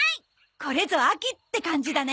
これぞ秋って感じだね。